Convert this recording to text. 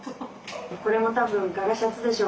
これも多分柄シャツでしょうね。